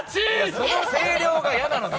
その声量が嫌なのよ。